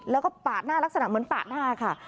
แล้วก็ปาดหน้าลักษณะเหมือนปาดหน้าค่ะ